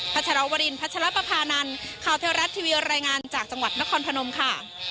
พระชาววรินทร์พระชาวประพานันทร์ข่าวเทวรัฐทีวีรายงานจากจังหวัดนครพนมค่ะ